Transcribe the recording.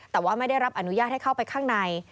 แต่ว่าไม่ได้รับอนุญาตให้เข้าไปข้างใน